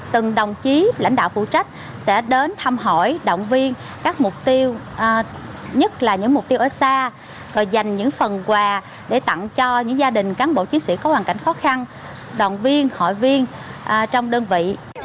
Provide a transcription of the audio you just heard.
từng đồng chí lãnh đạo phụ trách sẽ đến thăm hỏi động viên các mục tiêu nhất là những mục tiêu ở xa dành những phần quà để tặng cho những gia đình cán bộ chiến sĩ có hoàn cảnh khó khăn đoàn viên hội viên trong đơn vị